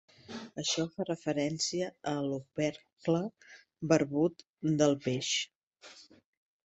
Això fa referència a l"opercle barbut del peix.